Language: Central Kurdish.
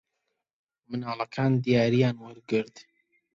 منداڵەکان دیارییان وەرگرت.